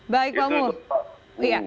baik pak umur